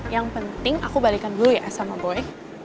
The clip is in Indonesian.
yang penting aku balikan dulu ya sama boy